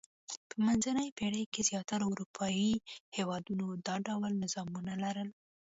په منځنۍ پېړۍ کې زیاترو اروپايي هېوادونو دا ډول نظامونه لرل.